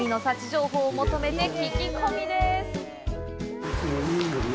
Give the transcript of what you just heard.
情報を求めて聞き込みです！